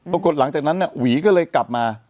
ปรากฏหลังจากนั้นหวีก็เลยกลับมา